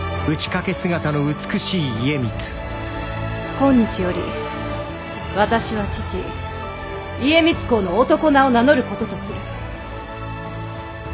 今日より私は父家光公の男名を名乗ることとする。